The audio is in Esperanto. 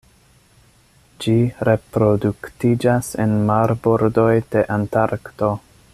Ĝi reproduktiĝas en marbordoj de Antarkto.